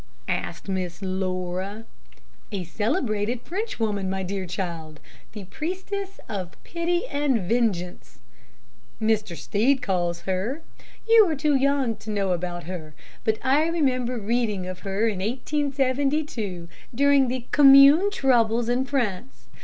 asked Miss Laura. "A celebrated Frenchwoman, my dear child, 'the priestess of pity and vengeance,' Mr. Stead calls her. You are too young to know about her, but I remember reading of her in 1872, during the Commune troubles in France.